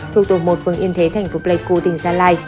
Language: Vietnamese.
thuộc tổ một phường yên thế thành phố pleiku tỉnh gia lai